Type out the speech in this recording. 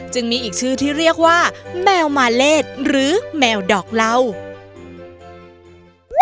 มีอีกชื่อที่เรียกว่าแมวมาเลศหรือแมวดอกเหล่า